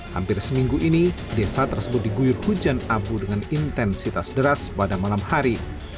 hampir seminggu ini desa tersebut diguyur hujan abu dengan intensitas deras pada malam hari